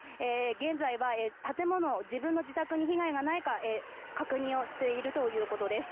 現在は建物自分の自宅に被害がないか確認をしているということです。